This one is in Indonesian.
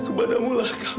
ini semua gara gara kamu